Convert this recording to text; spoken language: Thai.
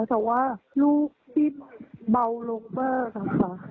แต่ว่าลูกที่เบาลงเมอร์นะคะ